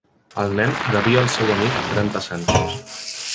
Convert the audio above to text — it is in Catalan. El nen devia al seu amic trenta cèntims.